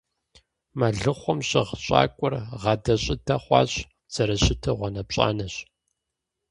Мэлыхъуэм щыгъ щӀакӀуэр гъадэ-щӀыдэ хъужащ, зэрыщыту гъуанэпщӀанэщ.